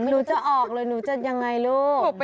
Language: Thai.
หนูจะออกเลยหนูจะยังไงลูก